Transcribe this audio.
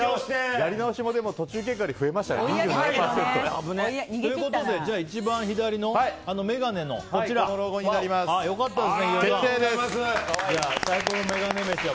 やり直しも途中経過よりも増えましたね。ということで一番左の眼鏡の決定です。